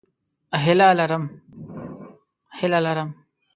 هیله لرم